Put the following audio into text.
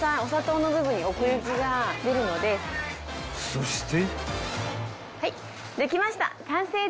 ［そして］